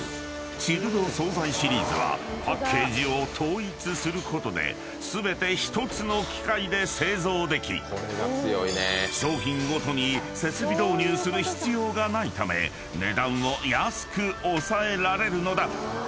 チルド惣菜シリーズはパッケージを統一することで全て１つの機械で製造でき商品ごとに設備導入する必要がないため値段を安く抑えられるのだ］